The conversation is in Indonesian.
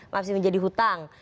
masih menjadi hutang